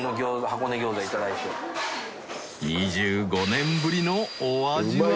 ［２５年ぶりのお味は］